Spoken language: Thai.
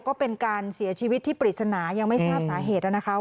ก็เป็นการเสียชีวิตที่ปริศนายังไม่ทราบสาเหตุแล้วนะคะ